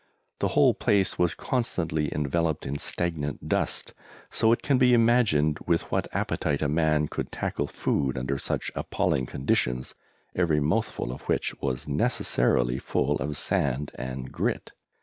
The whole place was constantly enveloped in stagnant dust, so it can be imagined with what appetite a man could tackle food under such appalling conditions, every mouthful of which was necessarily full of sand and grit.